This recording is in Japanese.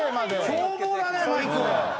凶暴だねマイク。